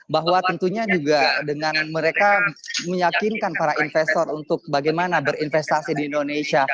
bahwa tentunya juga dengan mereka meyakinkan para investor untuk bagaimana berinvestasi di indonesia